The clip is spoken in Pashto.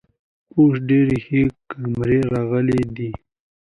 اوس ډیرې ښې کامرۍ راغلی ده